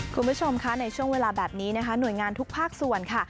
คุณผู้ชมคะในช่วงเวลาแบบนี้นะคะหน่วยงานทุกภาคส่วนค่ะ